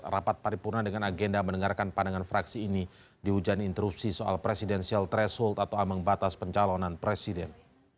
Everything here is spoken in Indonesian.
rapat paripurna dengan agenda mendengarkan pandangan fraksi ini dihujani interupsi soal presidensial threshold atau ambang batas pencalonan presiden